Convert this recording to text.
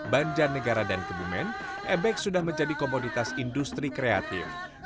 banjarnegara dan kebumen ebek sudah menjadi komoditas industri kreatif